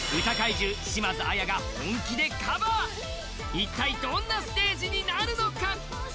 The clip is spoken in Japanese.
一体どんなステージになるのか？